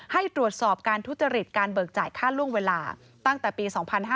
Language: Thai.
ให้ตรวจสอบการทุจริตการเบิกจ่ายค่าล่วงเวลาตั้งแต่ปี๒๕๕๙